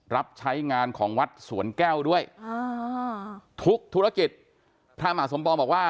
รับใช้งานของวัดสวนแก้วด้วยทุกธุรกิจพระมหาสมปองบอกว่า